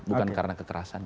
bukan karena kekerasannya